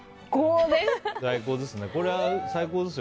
最高です！